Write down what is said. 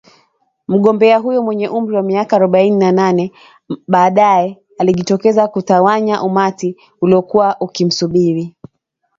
Mgombea huyo mwenye umri wa miaka arobaini na nane, baadae alijitokeza kutawanya umati uliokuwa ukimsubiri